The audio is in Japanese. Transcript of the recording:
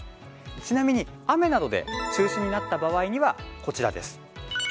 ちなみに雨などで中止になった場合にはこちらです。